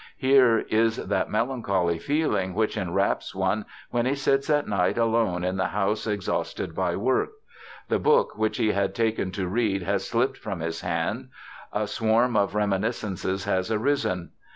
Here is that melancholy feeling which enwraps one when he sits at night alone in the house exhausted by work; the book which he had taken to read has slipped from his hand; a swarm of reminiscences has arisen.